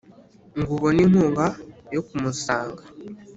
Ngo ubone inkunga yo kumusanga.